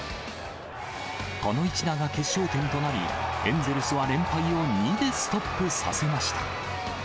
この一打が決勝点となり、エンゼルスは連敗を２でストップさせました。